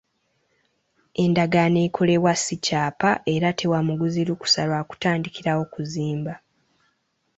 Endagaano ekolebwa si kyapa era tewa muguzi lukusa lwa kutandikirawo kuzimba.